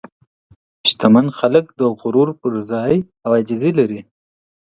شتمن خلک د غرور پر ځای عاجزي لري.